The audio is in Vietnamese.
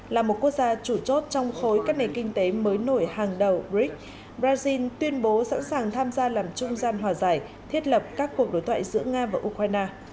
là một quốc gia chủ chốt trong khối các nền kinh tế mới nổi hàng đầu brics brazil tuyên bố sẵn sàng tham gia làm trung gian hòa giải thiết lập các cuộc đối thoại giữa nga và ukraine